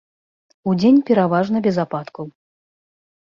Удзень пераважна без ападкаў.